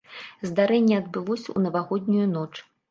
Здарэнне адбылося ў навагоднюю ноч.